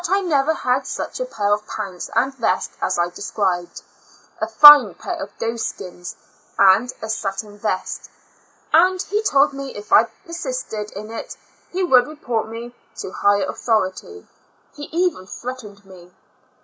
I never had such a pair of pants and vest as I described — a fine pair of doeskins, and a satin vest; and he told me if I persisted in it, he would report me to higher authority; IN A L UNA TIC A STL UM, g 3 he even threatened me.